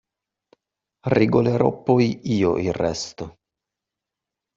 Regolerò poi io il resto.